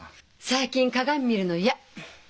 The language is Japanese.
最近鏡見るの嫌！